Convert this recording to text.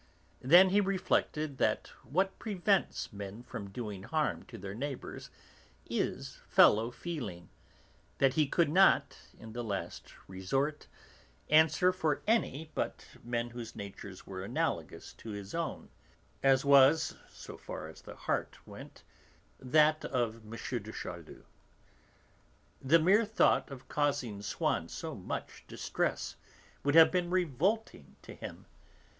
Then he reflected that what prevents men from doing harm to their neighbours is fellow feeling, that he could not, in the last resort, answer for any but men whose natures were analogous to his own, as was, so far as the heart went, that of M. de Charlus. The mere thought of causing Swann so much distress would have been revolting to him.